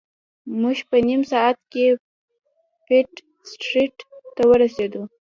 موږ په نیم ساعت کې پیټ سټریټ ته ورسیدو.